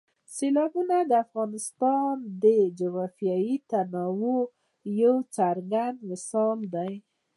سیلابونه د افغانستان د جغرافیوي تنوع یو څرګند مثال دی.